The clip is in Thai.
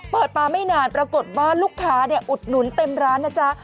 เปิดมาไม่นานปรากฏว่าลูกค้าอุดหนุนเต็มร้านนะจ๊ะ